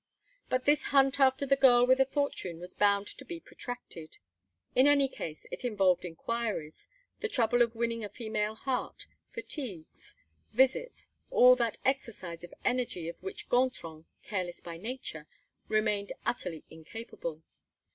But this hunt after the girl with a fortune was bound to be protracted. In any case it involved inquiries, the trouble of winning a female heart, fatigues, visits, all that exercise of energy of which Gontran, careless by nature, remained utterly incapable.